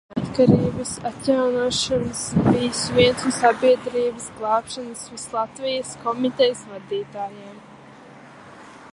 "Pirms Latvijas neatkarības atjaunošanas bijis viens no "Sabiedrības glābšanas Vislatvijas komitejas" vadītājiem."